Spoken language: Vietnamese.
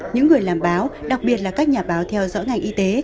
những người làm báo đặc biệt là các nhà báo theo dõi ngành y tế